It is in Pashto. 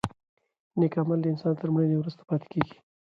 نېک عمل د انسان تر مړینې وروسته پاتې کېږي.